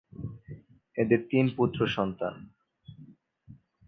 এঁদের তিন পুত্র সন্তান।